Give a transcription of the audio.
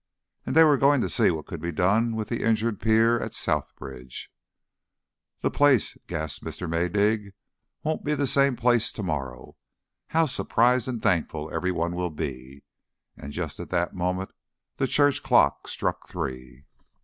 And they were going to see what could be done with the injured pier at South Bridge. "The place," gasped Mr. Maydig, "won't be the same place to morrow. How surprised and thankful everyone will be!" And just at that moment the church clock struck three.